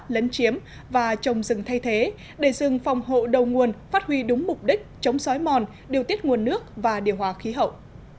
lấn chiếm và trồng rừng thay thế để rừng phòng hộ đầu nguồn phát huy đúng mục đích chống sói mòn điều tiết nguồn nước và điều hòa khí hậu